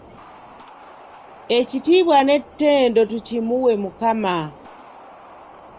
Ekitiibwa n'ettendo tukimuwe Mukama.